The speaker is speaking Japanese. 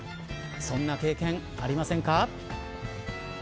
そんな経験ありませんか。